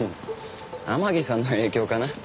天樹さんの影響かな。